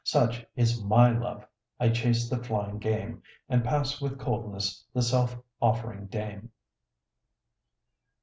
Such is my love: I chase the flying game, And pass with coldness the self offering dame.